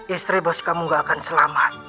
istri bos kamu gak akan selamat